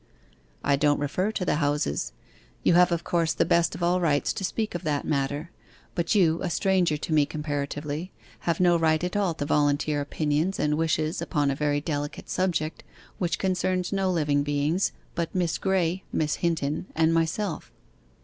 'I don't refer to the houses you have of course the best of all rights to speak of that matter; but you, a stranger to me comparatively, have no right at all to volunteer opinions and wishes upon a very delicate subject, which concerns no living beings but Miss Graye, Miss Hinton, and myself.